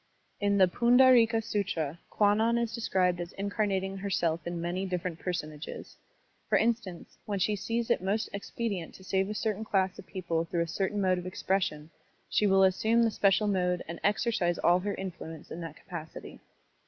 In the Pundartka SUtra Kwannon is described as incarnating her self in many different personages. For instance, when she sees it most expedient to save a certain class of people through a certain mode of expres sion, she will asstmie the special mode and exercise all her influence in that capacity.